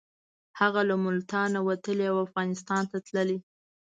هغه له ملتانه وتلی او افغانستان ته تللی.